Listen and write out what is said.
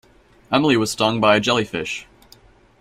Emily was stung by a jellyfish.